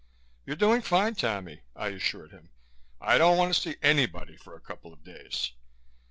"You're doing fine, Tammy," I assured him. "I don't want to see anybody for a couple of days.